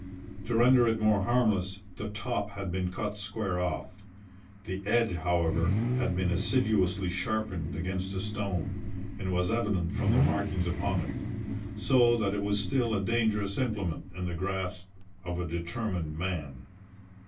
To render it more harmless, the top had been cut square off. The edge, however, had been assiduously sharpened against a stone, as was evident from the markings upon it, so that it was still a dangerous implement in the grasp of a determined man.